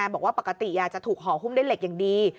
บอกว่าปกติจะถูกห่อหุ้มด้วยเหล็กอย่างดี